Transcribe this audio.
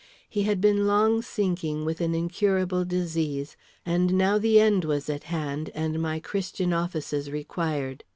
He had been long sinking with an incurable disease, and now the end was at hand and my Christian offices required.